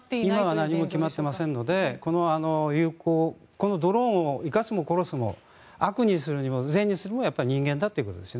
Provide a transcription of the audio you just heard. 今は何も決まっていませんのでこのドローンを生かすも殺すも悪にするにも善にするにもやっぱり人間だということです。